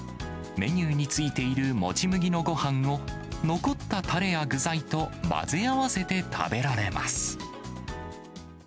メニューについているもち麦のごはんを、残ったたれや具材と混ぜ合わせて食べられます。